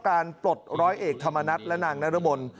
ปลดร้อยเอกธรรมนัฏและนางนรมน